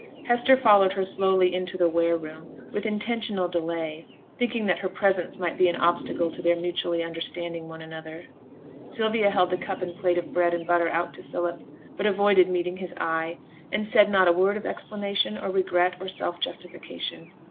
Hester followed her slowly into the ware room, with intentional delay, thinking that her presence might be an obstacle to their mutually understanding one another. Sylvia held the cup and plate of bread and butter out to Philip, but avoided meeting his eye, and said not a word of explanation, or regret, or self justification.